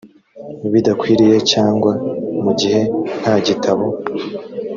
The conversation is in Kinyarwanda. bidakwiriye cyangwa mu gihe nta gitabo